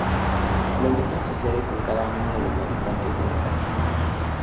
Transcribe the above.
Lo mismo sucede con cada uno de los habitantes de la casa.